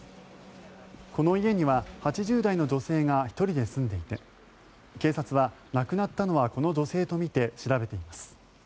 この家には８０代の女性が１人で住んでいて警察は亡くなったのはこの女性とみて調べています。